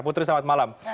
putri selamat malam